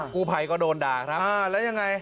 กู้ภัยก็โดนด่าครับอ่าแล้วยังไง